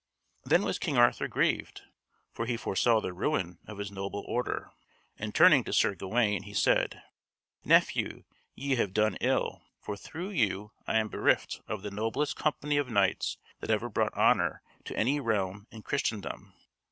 Then was King Arthur grieved, for he foresaw the ruin of his noble Order. And turning to Sir Gawain, he said: "Nephew, ye have done ill, for through you I am bereft of the noblest company of knights that ever brought honour to any realm in Christendom.